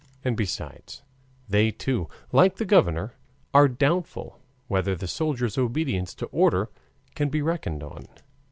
And besides, they too, like the governor, are doubtful whether the soldiers' obedience to orders can be reckoned on.